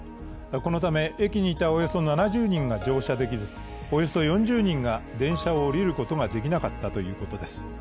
このため、駅にいたおよそ７０人が乗車できず、およそ４０人が電車を降りることができなかったということです。